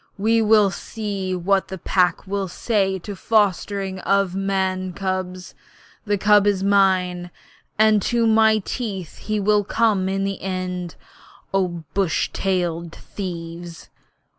We will see what the Pack will say to this fostering of man cubs. The cub is mine, and to my teeth he will come in the end, O bush tailed thieves!'